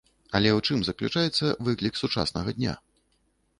Але ў чым заключаецца выклік сучаснага дня?